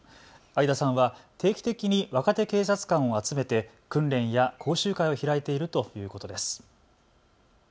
相田さんは定期的に若手警察官を集めて訓練や講習会を開いているということです。